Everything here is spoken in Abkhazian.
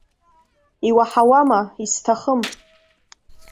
Иуаҳауама, исҭахым!